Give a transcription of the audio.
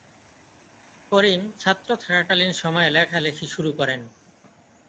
করিম ছাত্র থাকাকালীন সময়ে লেখালেখি শুরু করেন।